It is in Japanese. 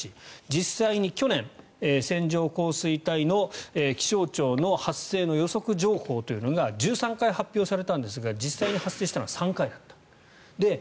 実際に去年線状降水帯の気象庁の発生の予測情報というのが１３回発表されたんですが実際に発生したのは３回だった。